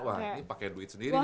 wah ini pakai duit sendiri